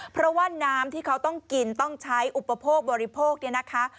เพราะว่าน้ำที่เขาต้องกินต้องใช้อุปโภคบริโภคเนี่ยนะคะ